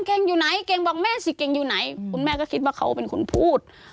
เก่งอยู่ไหนเก่งบอกแม่สิเก่งอยู่ไหนคุณแม่ก็คิดว่าเขาเป็นคนพูด